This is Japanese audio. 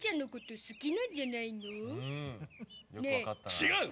違う！